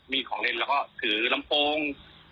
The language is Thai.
มีของเล่นแล้วก็ถือลำโพง